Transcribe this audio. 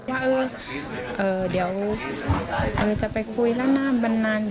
ว่าเดี๋ยวจะไปคุยแล้วนั่นบันนาน